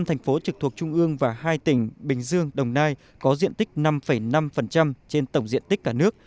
năm thành phố trực thuộc trung ương và hai tỉnh bình dương đồng nai có diện tích năm năm trên tổng diện tích cả nước